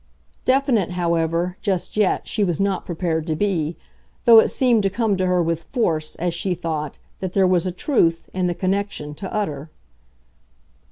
Definite, however, just yet, she was not prepared to be, though it seemed to come to her with force, as she thought, that there was a truth, in the connection, to utter.